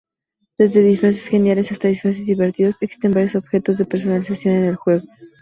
Desde disfraces geniales hasta disfraces divertidos, existen varios objetos de personalización en el juego.